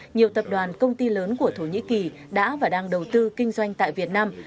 nhiều tập đoàn công ty lớn của thổ nhĩ kỳ đã và đang đầu tư kinh doanh tại việt nam